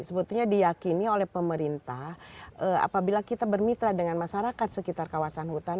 sebetulnya diyakini oleh pemerintah apabila kita bermitra dengan masyarakat sekitar kawasan hutan